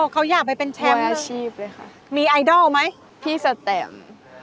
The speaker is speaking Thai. อ๋อเขาอยากไปเป็นแชมป์นะครับมีไอดอลไหมพี่สเต็ม